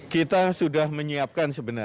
kita sudah menyiapkan sebenarnya